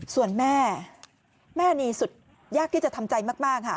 ส่วนแม่แม่นี่สุดยากที่จะทำใจมากค่ะ